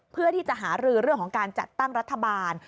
เพื่อที่จะหารือเรื่องของการจัดตั้งรัฐบาล